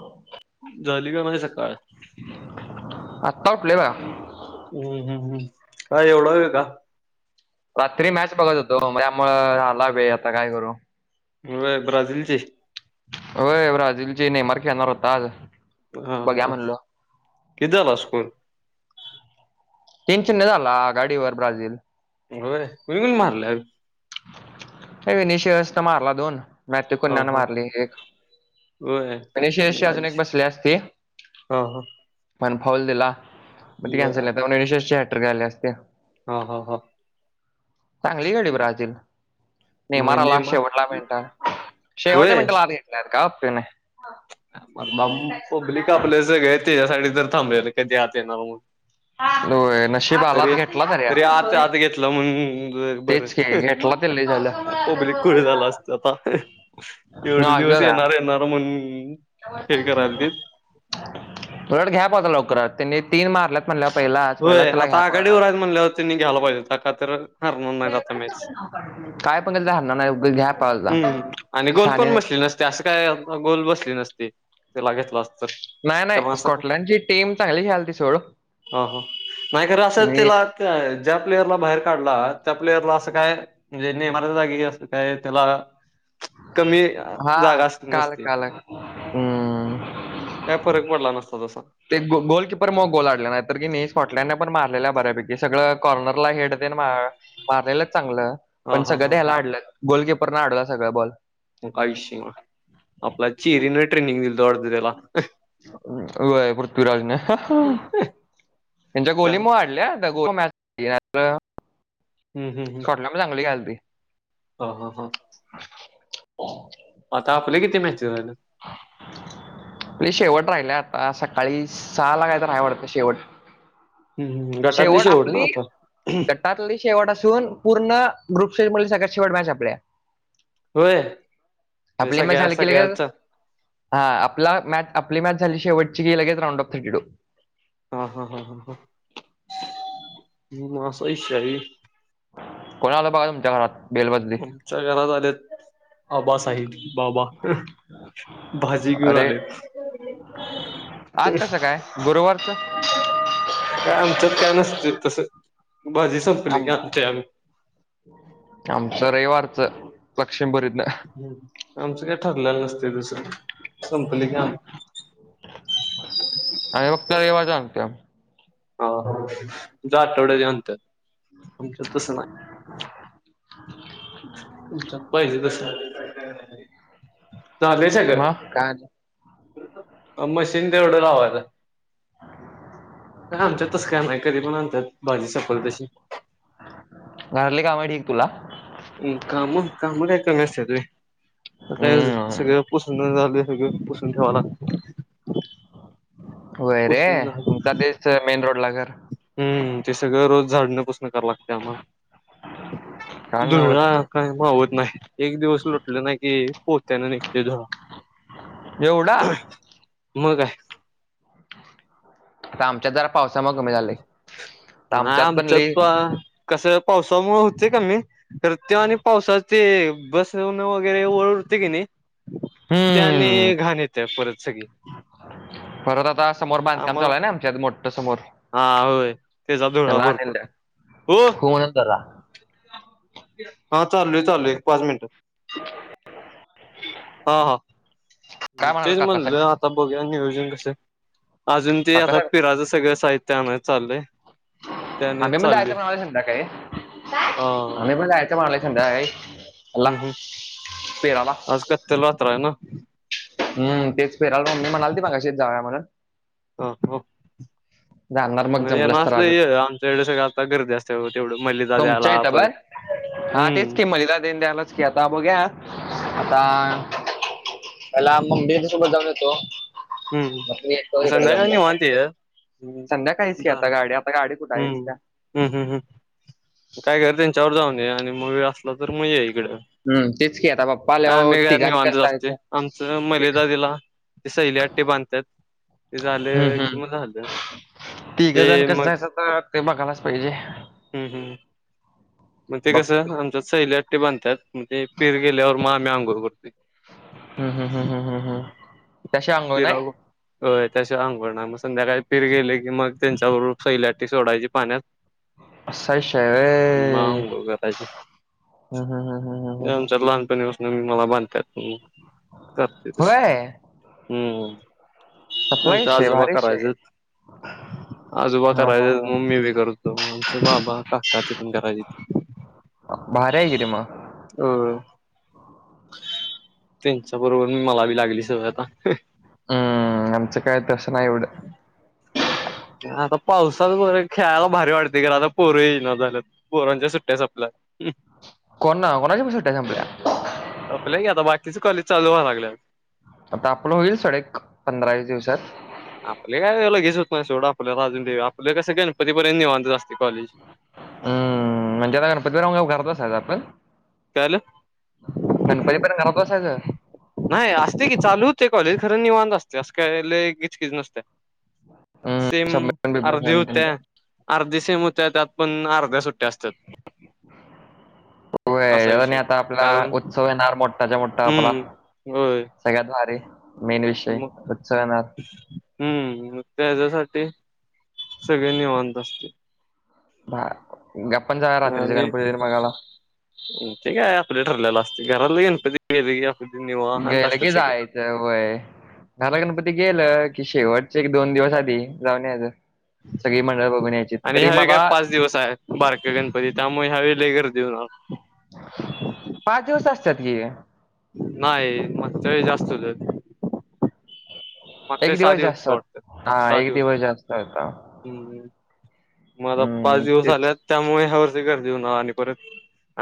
हो झाली का म्हझे सकाळ आत्ता उठलोय बघा हम्म हम् हम् काय एवढं वेळ का रात्री मॅच बघत होतो त्यामुळे झालं वेळ आता काय करू मु ब्राझीलची जी न्यार खेळणार होता आज हा बघ्या हा म्हणलो किती झाला स्कोर तीन चिन्य झाला आघाडीवर ब्राझील होय कुणी कुणी मारले अ विनषहस मारला दोन म हा कोन्यान हा मारली एक होय विनशिहास शी अशी अजून एक नाईस बसले असते हा हा पण होल दिला मग ते बर कॅन्सल झालं नाय तर नीलिशिष ची हतीतर आले असते हा हा हा चांगली गडी ब्रजील मेन मग मार आला नेमात शेवटला मिनिट शेवटच्या मिनिटाला आत घेतल्यात काय उपयोग नाही म पब्लिका आपले सगळे त्याच्या साठी च तर थांबले होते कधी आत येणार म्हणून होय नशीब आलात तरी घेतला यार. तरी आता नकोय आता घेतलं मग तेच की बरं घेतला ते लय झालं. पब्लिक खुळ झाला असत आता मी एवढे आजो दिवस का येणार येणार म्हण उलट घ्या काकू लवकरात त्यांनी तीन मारल्यात म्हणल्यावर पहिलाच पहिलाच होय त्याला आता घ्या आघाडी वर पाहिजे. हायत म्हणल्यावर त्यांनी घ्यायला पाहिजे त्या का तर हरणार नाहीत आता मॅच काय पण केलं तर हरणार नाही उगाच घ्या पाहिजे हम आणि गोल शहाणे पण नाहीत. बसली नसती असं काय गोल बसली नसती तुला घेतल असत तर नाही कारण नाही असं का स्कॉटलंँडची टीम चांगली खेळालती सोड ह हा नाय खर असं तुम्ही त्याला ते ज्या प्लेयरला बाहेर काढला त्या प्लेयरला असं काय म्हणजे नेमच्या जागी असं काय त्याला कमी हा जागा काल नसते काल हम्म काय फरक पडला नसता तस ते बॉ बॉलकीपर मग बोलड नाही तर की स्कॉटलड पण मारलेल्या आहे बऱ्यापैकी सगळं कॉर्नरला हेट देन मारलेलं चांगलं हा पण हा हा सगळं हा ह्याला आडलं गोलकीपर न अडला सगळं बॉल मग काय विषय आपला चेरी लय ट्रेनिग दीलता व्हय पृथ्वीराजने त्यांच्या गोलीमुळे हम्म आडल्या द गु द मॅ हम्म हम्म होरला पण चांगली खेळालती हा हा हा हो आता आपले किती मॅ शेवट राहिल्य आप सकाळी सहा ला काय तर आहे वाटत शेवट हम्म हम्म. गटातली शेवट ना आपली आता गटातली शेवट असून पूर्ण ग्रुपशे सगळत शेवट मॅच आपल्या होय आपले मॅच सगळ्या झाली की लगेच सगळ्याचा हा आपला मॅ आपली मॅथ झाली शेवट ची लगेच रांडऑफ थटीडू हा हा हा हा हा हा असा विषय हाय व्हय ओ कोण आल बघा तुमच्या घरात बेल वाजली तुमच्या घरात आले आबा साहिब बाबा भाजी घेऊन अरे आले आज कसं काय गुरुवार का आमच्यात काय नसते तस बाजी संपली आम- आणत आम्ही लक्षम भरत नाही हम आमचं काय ठरलेलं नसते दुसर संमकले काम रवा जाण त्या ह आठवड्याततात आमच्या तस नाही तुमच्या पाहिजे तस म काय मशीन तेवढं लाव आता आमच्या तस का नाही कधी पण आणतात बाजी सफल तशी घरातली कामं ठीक तुला काम कामकसते तु काय हम्म सगळ पुोस झाल पुसून ठेवा लागत वैरे झालं तमचा दिस मेन रोड लाग हम्म ते सगळं रोज झाडण गते काय दु नव्हत काय होत नाही एक दिवस लुटले ना की पोहत्या ना निघते जरा एवढा मगा आहे आता आमच्यात जरा पावसामुळे कमी झाले आम तप कस पावसामुळे होते कमी तर ते आणि पावसाचे बसण वगैरे ओळ की नाही त्या हम्म आणि घाण येते परत सगळी परत आता समोर बांधकाम आम्हाला चालाय ना आमच्यात मोठ हा होय तेचब त्याला आणेल भरपूर द्या हो म्हणून जरा हा चालू आहे चालू आहे एक पाच मिनट [unintelligible] हा हा काय म्हणाल तेच काका सांग म्हणलं आता बघ नज कस अजून ते काका आता सांग पिराचं सगळ साहित्य आण चाललंय त्याने आम्ही पण चालले जायाचं म्हणालोय संध्याकाळी हा आम्ही पण जायाचं म्हणालोय खड आहे हम्म हम् आज कत्यलयात्रा आहे ना हम् तेच फिरायला मम्मी म्हणालती मघाशी जाव्या म्हणून ह ह [inaudible] मग येणार असलं तर ये आमच्याकडे सगळ आता गर्दी असत्या तेवढं मलिदा तुमच्या द्यायला इथं बर परत हा तेच हम्म की मलिदा तेन द्यायला की आता बघूया आता पहिला मम्मी त्यांच्यासोबत जाऊन येतो मग मी येतो हम्म इकडे जाऊन संध्याकाळी येतो निवांत ये हम्म संध्याकाळीच की जा आता गाडी आता गाडी कुठं आहेस हम्म त्या हम्म हम्म हम् काय कर त्यांच्याबरोबर जाऊन ये आणि मग वेळ असला तर मग येई हम्म तेच की आता पप्पा आल्यावर आम्ही काय तिघांनी निवांतच कसं असतोय जायचं आमच मलिदा दिला ते सैली आटी बांधतात ते झालं की मग झालं तिघजण ते कसं मग जायचं आता ते बघायलाच पाहिजे हम् हम् मग ते बघ कसं आमच्या सैली अट्टी बांधतात म्हणजे फिर गेल्यावर मग आम्ही अंघोळ हम्म हम्म करतोय हम्म हम्म हम्म हम्म. त्याशी अंगो फिरा नाही व त्याच्याशिवाय आंगोळ नाही मस्त संध्याकाळी फिर गेले की मग त्यांच्याबरोबर सैल्याटी सोडायची पाण्यात असा विषय आहे आणि मग होय आंघोळ करायची हम् हम् हम हम् हम् हम हम म मी मला बांधता करते तस होय हम् आमच्या आजोबा करायचं ह आजोबा करायच मग मीबी करतो आमचं बाबा काका ती पण कराआल्यात भारी आहे की रे मग अ त्यांच्या बरोबर मला बी लागली सवय आता हम्म आमचं काय तसं नाही एवडं आता पावसात बघा खेळायला भारी वाटतया खरं आता पोरं येईना झाल्यात पोरांच्या सुट्ट्या संपल्या कोणा कोणाच्या सुट्ट्या संपल्या त्याज कॉलेज चालू होईला लागलया आता आपलं होईल सडेक पंधरा दिवसात आपले काय लगेच होत नाही सोड आपल्याला अजून [unintelligible] आपला कस गणपती पर्यंत निवांतच असतय हम्म म्हणजे काय गणपती झाल्यावर घरात बसायचं काय आपण कळालं गणपती पर्यंत घरात बसायचं नाही तस काय लय कीच कीच नसत्या हम्म सेम अर्धी बिबमिशन आणि होते ते काय. अर्धी सेम होते त्यात पण अर्ध्या सुट्ट्या असत्यात हो आता आपला कारण उत्सव येणार मोठाचा मोठा आपला हम्म होय सगळ्यात भारी मेन विषय मग उत्सव येणार हम्म त्याच्यासाठी ते सगळे निवांत असतील बा आणि ते काय आपले ठरलेला घरातला गणपती [inaudible] निवांत गेलं असतात की सगळे. जायचं व्हय दहाला गणपती गेल की शेवटचे एक दोन दिवस आधी जाऊन यायचं सगळी मंडळ बघून यायची आणि तरी ह्यावेळी काय मला पाच दिवस आहेत बारकं गणपती त्यामुळे ह्या वेळी लय गर्दी होणार [inaudible] की नाही मागच्या वेळी जास्त होत मागच्या एक वेळेस सहा दिवस जास्त होते होता. वाटतात हा सहा एक दिवस जास्त होता. हम्म म आता पाच हम्म दिवस तेच आले त्यामुळे ह्या वर्षी गर्दी होणार आणि परत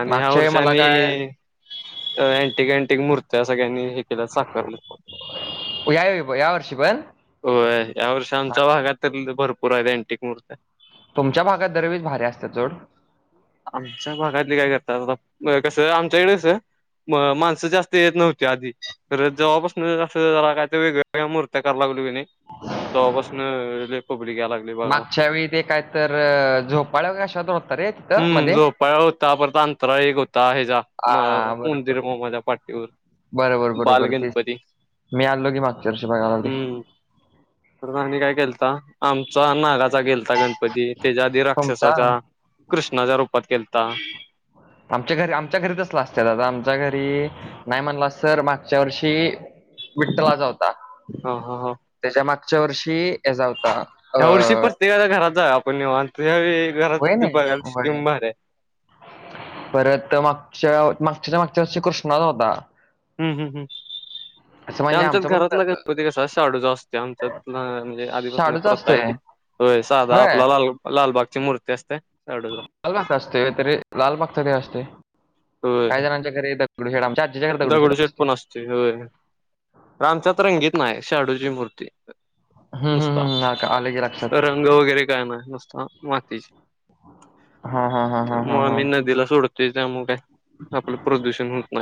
आणि ह्या मागच्या वेळी वर्षी मला आणि काय अ अँटिक अँटिक मूर्त्या सगळ्यांनी हे केलं साखरलं बघूया की यावर्षी पण हो या वर्षी हा, आमच्या भागात भरपूर आहेत अँटिक मूर्त्या तुमच्या भागात दरवेळेस भारी असतात सोड. आमच्या भागातली काय करतात आता कसं आमच्याकडेच कस म माणसं जास्त येत नव्हती आधी तर जेव्हापासून अस जरा काय वेगळ्या वेगळ्या मुर्त्या करायला लागलो तेव्हापासून पब्लिक यायला लागली बघायला. मागच्या वेळी ते काय तर झोपळ्यावरती की कश्यावरती होत हम्म झोपाळ्या वरती होता परत अंतराळी एक होता ह्याच्या म आ बरोबर. उंदिर मामा च्या पाठीवर बरोबर बरोबर तेच बालगणपती तेच. मी आणलो की मागच्या वर्षी बाळगणपती हम्म परत आणखीन काय केलता आमचा नागाचा गेलता गणपती त्याच्या आधी तुमचा? राक्षसाचा कृष्णाच्या रूपात केलता. आमच्या घरी, आमच्या घरी तसलं असतंय दादा आमच्या घरी नाही म्हणलास तर मागच्या वर्षी विठ्ठलाचा होता. हा हा हा त्याच्या माग मागच्या वर्षी ह्याचा होता ह्या वर्षी अं प्रत्येकाच्या घरात आपण निवांत यावेळी घरात व्हयय ते बघायला नाय, व्हय स्कीम भारी आहे. परत मागच्या मागच्याच्या मागच्या वर्षी कृष्णाचा होता. हम्म हम्म हम्म असं म्हणजे आमच्यात आमचं पण घरातला त- गणपती कस शाडूचा असतोय. आमच्यात म्हणजे आधीपासून शाडूच प्रथा आहे असतोय ती. होय साधा आपला लाल लालबागची मूर्ती असत्याय. लालबाग असते तरी लालबाग तरी असते काही जणांच्या घरी [unintelligible] दगडू शेठ असते पण असतोय. होय खरं आमच्यात रंगीत नाही शाडूची मूर्ती हम्म, हम्म, नुसता, हम्म. हा का, आलं की लक्षात रंग वगैरे काय नाय नुसता माती हा हा हा हा हा त्यामुळे हा आम्ही नदीला सोडतो. ते त्यामुळे काय? आपलं प्रदूषण होत नाय.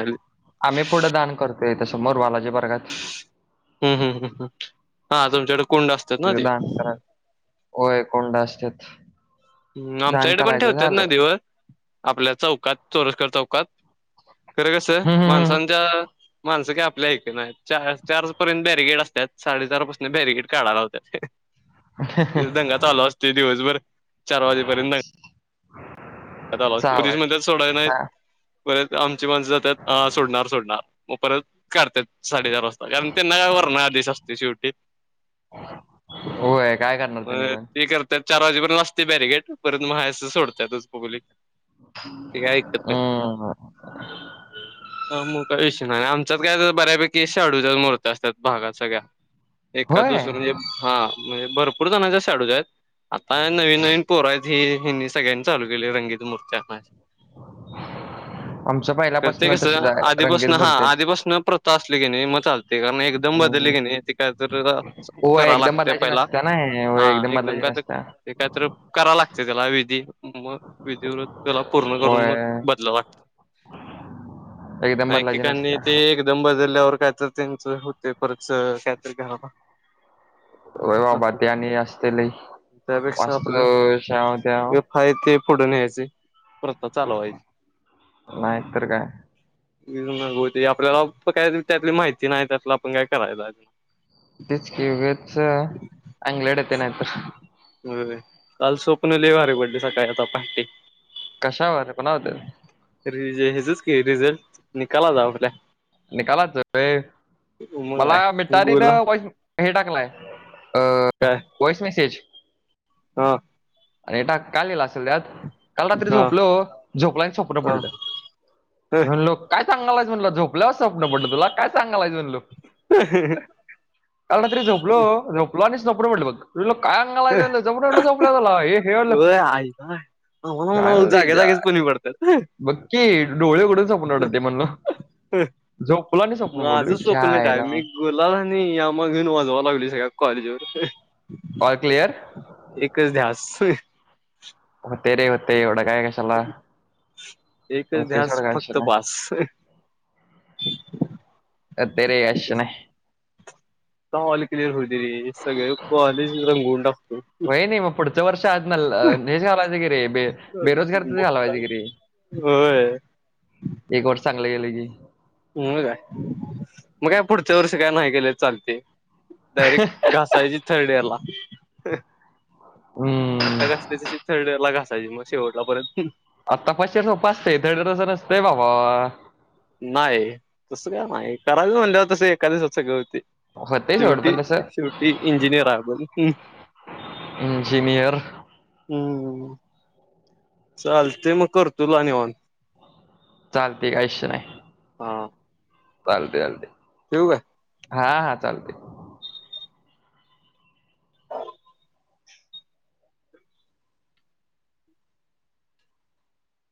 आम्ही पुढं दान करतोय तस समोर वालाजी वर्गात हम् हम्म हम्म हम् हा तुमच्याकडे कुंड असतात ना तिथं ते दान करा होय कुंड असतात. ह आमच्या दान इकडे पण करायचं ठेवत्यात झालं नदीवर आपल्या चौकात चोरस्कर चौक कात खरं कस हम्म, हम्म, हम्म. माणसांच्या माणसं काय आपल्या ऐक नाही चार चार पर्यंत बॅरिगेट असतात साडेचार पासून बॅरिगेट काढाला लावत्यात. दंगा चालू असते दिवसभर चार वाजेपर्यंत पोलीस चालायचं म्हणत्यात सोडाय नाही. चा- परत आमची माणसं जातात सोडणार सोडणार मग परत करतात साडेचार वाजता कारण त्यांना वरनं आदेश असतोय शेवटी होय काय करणार त्यांनी मग पण ते करतात. चार वाजेपर्यंत असते बॅरिगेट परत मग हाय असं सोडतच पोलीस ते काय ऐकत्यात काय? हम्म. हा मग काय विषय नाय आम च्यात काय बऱ्यापैकी शाडूच्याच मूर्त असत्यात भागात सगळ्या एका दुसऱ्या होय म्हणजे हा म्हणजे भरपूर जणांच्या शाडूच्या आहेत. आता काय नवीन नवीन पोरं आहेत ही ह्यांनी सगळ्यांनी चालू केली रंगीत मूर्त्या [inaudible] आमचं तर ते पहिल्यापासून कसं तशीच आहे आधीपासंन रंगीत हा भरतेच आधीपासं प्रथा असली की नाही मग चाल ते एकदम बदलली हम्म. की नाही ते काय तर होय करा एकदम लागतय बदलायची पहिला नसत्या नाही हा होय एकदम बदलायची काय नसत्या तर एकात करावं लागत त्याला विधी मग विधिवृत्त त्याला पूर्ण करून मग होय बदलाव लागतं. एकदम बदलायची नायकिकांनी नसत्या ते एकदम बजर ल्यावर कायत त्यांच होते परच कायतरी घ्या व वाबााती आणि असतेले त्यापेक्षा आपलं वास्तश्या त्या गप हाय ते पुढे न्यायचं नाही तर काय [unintelligible] आपल्याला काय त्यातली माहिती नाही त्यातलं आपण काय करायला तेच की वेबचं, अंगलट येतंय नायतर होय काल स्वप्न लई भारी पडली सकाळी आता पार्टी कशावर पण होते रि हयाजच कि रिझल्ट निकाल आला आऊट काय? निकालाचं व्हय मग मला काय गोला मिटारीनं वॉइस हे टाकलाय अ काय वॉइस मेसेज हा आणि टाक काय लिहिला असेल त्यात काल रात्री हा झोपलो. झोपलाय आणि स्वप्न हा पडलं. म्हणलो काय सांगलायस म्हणलो? झोप ल्याव स्वप्न पडलं तुला? काय सांगाल्यास म्हणलो. काल रात्री झोपलो. झोपलो आणि स्वप्न पडल म्हटलं बघ. ल काय संगालायस महणल? स्वप्न पडल झोपल्यावर तुला? ये [unintelligible] बघकी डोळे उघडून स्वप्न पडतय म्हण माझं स्वप्न काय मी गुलाल आणि यामा घेऊन वाजवा लागली सगळ्या कॉलेजवर. [unintelligible] All clear? एकच ध्यास. तय रे हुताय. एवढा काय कशाला एकच होते सोड ध्यास काय असे फक्त नाही पास. [unintelligible] ऑल क्लिअर हुदे रे सगळ कॉलेज रंगऊन टाक [unintelligible] होय. एक वर्ष चांगलं गेलं की म काय मग काय पुढच्या वर्षी काय नाही केले चालतय. डायरेक्ट घासायची थर्ड इयर ला. आता हम्म घासली तशी थर्ड इयर ला घासायची मग शेवटलापर्यंत आत्ता [unintelligible] सोप असते थड रज नसतेय बाबा. नाही तस काय नाही. करायच म्हणल्यावर तस एका दिवसात सगळ हूतय. होतंय सोड शेवटी पण तसं शेवटी इंजिनियर आहे आपण. इंजीनियर. हम् चालतय मग करतो तुला निवांत. चालते काय इषय नाय. हा. चालते चालते. ठेवू काय? हा हा चालते. [unintelligible]